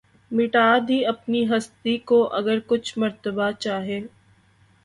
مٹا دی اپنی ھستی کو اگر کچھ مرتبہ چاھے